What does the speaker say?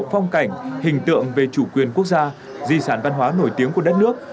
phong cảnh hình tượng về chủ quyền quốc gia di sản văn hóa nổi tiếng của đất nước